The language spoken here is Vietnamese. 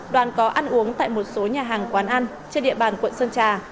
đoàn có ăn uống tại một số nhà hàng quán ăn trên địa bàn quận sơn trà